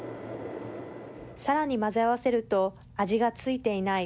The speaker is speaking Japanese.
さらに、混ぜ合わせると味がついていない